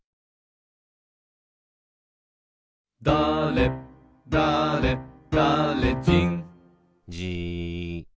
「だれだれだれじん」じーっ。